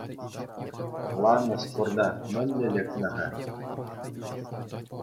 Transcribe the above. Лана спорта мӗнле лекнӗ-ха?